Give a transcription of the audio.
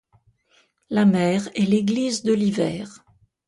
La mer est l’église de l’hiver.